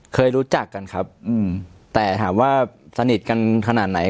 เคยรู้จักกันครับแต่ถามว่าสนิทกันขนาดไหน